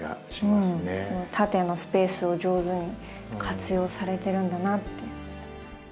縦のスペースを上手に活用されてるんだなって。